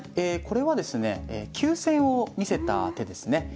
これはですね急戦を見せた手ですね。